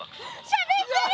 しゃべってる！